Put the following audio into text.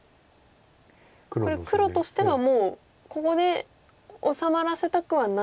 これ黒としてはもうここで治まらせたくはないんですか。